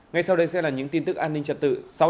ngay sau đây sẽ là những tin tức an ninh trật tự